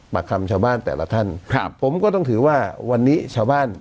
ปากคำชาวบ้านแต่ละท่านครับผมก็ต้องถือว่าวันนี้ชาวบ้าน